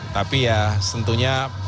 tapi ya tentunya